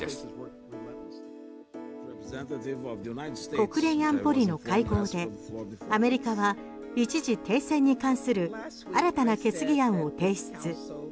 国連安保理の会合でアメリカが一時停戦に関する新たな決議案を提出。